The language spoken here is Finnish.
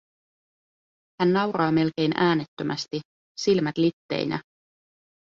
Hän nauraa melkein äänettömästi, silmät litteinä.